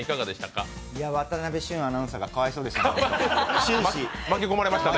渡部峻アナウンサーがかわいそうでした。